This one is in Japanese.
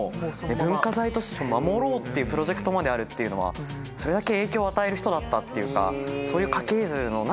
文化財として守ろうっていうプロジェクトまであるっていうのはそれだけ影響を与える人だったっていうか。